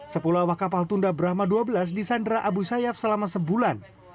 sepuluh awak kapal tunda brahma dua belas di sandera abu sayyaf selama sebulan